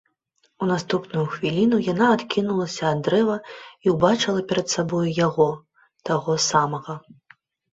У наступную хвіліну яна адкінулася ад дрэва і ўбачыла перад сабою яго, таго самага.